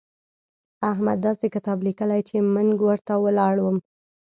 احمد داسې کتاب ليکلی دی چې منګ ورته ولاړم.